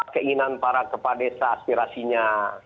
keinginan para kepadesa aspirasinya